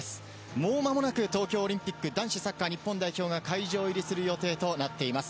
もうまもなく東京オリンピック男子サッカー日本代表が、会場入りする予定となっています。